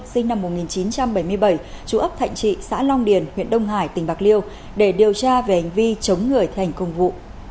sinh năm một nghìn chín trăm bảy mươi bảy chú ấp thạnh trị xã long điền huyện đông hải tỉnh bạc liêu để điều tra về hành vi chống người thi hành công vụ